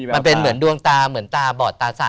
มันเป็นเหมือนดวงตาเหมือนตาบอดตาสะ